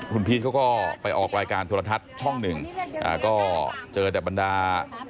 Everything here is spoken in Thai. คุณพีชเขาก็ไปออกรายการโทรทัศน์ช่องหนึ่งก็เจอแต่บรรดา